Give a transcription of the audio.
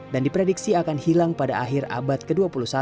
diprediksi akan hilang pada akhir abad ke dua puluh satu